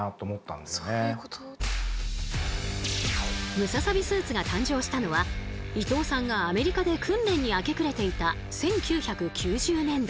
ムササビスーツが誕生したのは伊藤さんがアメリカで訓練に明け暮れていた１９９０年代。